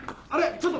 ちょっと！